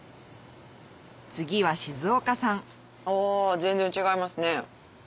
次は静岡産あ全然違いますね。